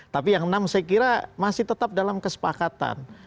tapi yang enam saya kira masih tetap dalam kesepakatan